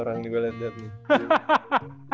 orang di belender nih